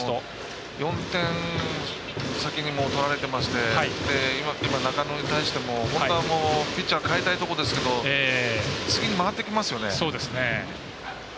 ４点、先にもう取られていまして今、中野に対しても本当はピッチャー代えたいところですけど次に回ってきますよね。